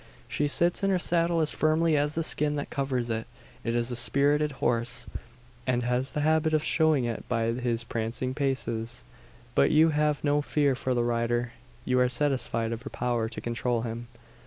She sits in her saddle as firmly as the skin that covers it. It is a spirited horse, and has the habit of showing it by his prancing paces. But you have no fear for the rider: you are satisfied of her power to control him.